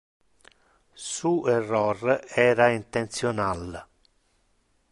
Su error era intentional.